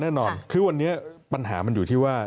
แน่นอนคือวันนี้ปัญหามันอยู่ที่ว่า